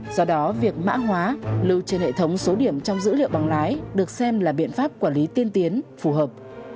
do đó việc mã hóa lưu trên hệ thống số điểm trong dữ liệu bằng lái được xem là biện pháp quản lý tiên tiến phù hợp